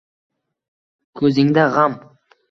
Ko’zingda g’am